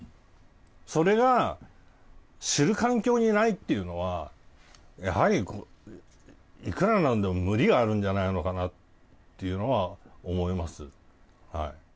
それが知る環境にないというのはやはりいくら何でも無理があるんじゃないのかなとは思います。